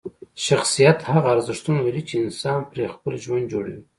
شخصیت هغه ارزښتونه لري چې انسان پرې خپل ژوند جوړوي.